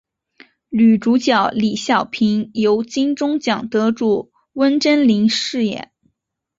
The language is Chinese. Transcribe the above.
女主角李晓萍由金钟奖得主温贞菱饰演。